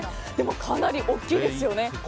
かなり大きいですよね。